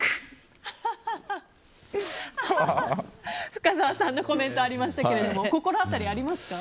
深澤さんのコメントありましたけれども心当たりありますか？